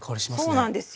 そうなんですよ。